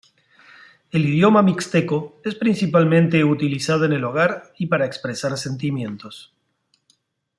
El idioma mixteco es principalmente utilizado en el hogar y para expresar sentimientos.